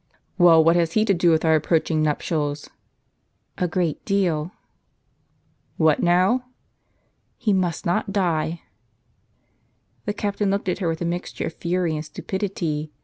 " Well, what has he to do with our approaching nuptials ?"" A great deal." "What now?" " He must not die." The captain looked at her with a mixture of fury and stupidity.